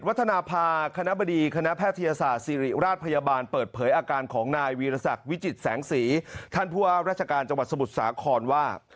วิทยาศักดิ์วิจิตรแสงสีท่านผู้ว่าราชการจังหวัดสมุทรสาขรว่า